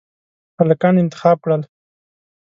هلکان انتخاب کړل.